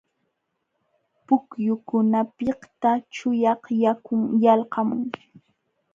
Pukyukunapiqta chuyaq yakun yalqamun.